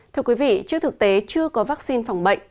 thưa quý vị trước thực tế chưa có vaccine phòng bệnh